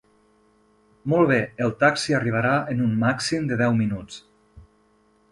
Molt bé, el taxi arribarà en un màxim de deu minuts.